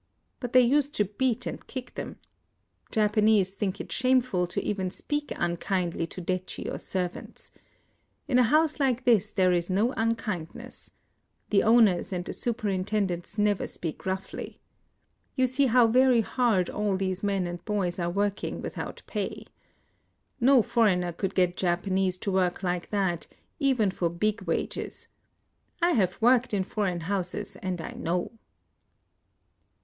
But they used to beat and kick them. Japanese think it shameful to even speak unkindly to detchi or servants. In a house like this there is no unkindness. The owners and the superintendents never speak roughly. You see how very hard all these men and boys are working without pay. IN OSAKA 183 No foreigner could get Japanese to work like that, even for big wages. I have worked in foreign houses, and I know."